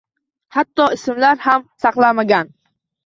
Hatto ismlari ham saqlanmagan.